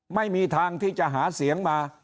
ไม่มีทางที่จะหาเสียงมา